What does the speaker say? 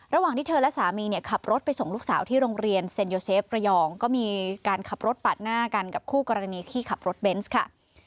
ระหว่างที่เธอและสามีเนี่ยขับรถไปส่งลูกสาวที่โรงเรียนเซ็นโยเซฟระยองก็มีการขับรถปาดหน้ากันกับคู่กรณีที่ขับรถเบนส์ค่ะ